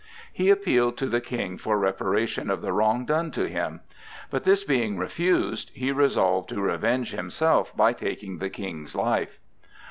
He appealed to the King for reparation of the wrong done to him; but this being refused, he resolved to revenge himself by taking the King's life.